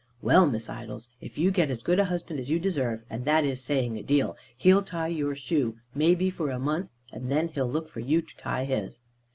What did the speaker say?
"Well, Miss Idols, if you get as good a husband as you deserve, and that is saying a deal, he'll tie your shoe may be for a month, and then he'll look for you to tie his."